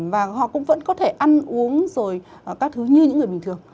và họ cũng vẫn có thể ăn uống rồi các thứ như những người bình thường